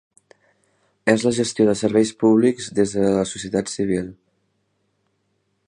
És la gestió de serveis públics des de la societat civil.